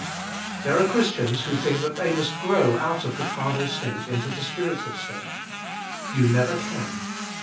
There are Christians who think that they must grow out of the carnal state into the spiritual state. You never can.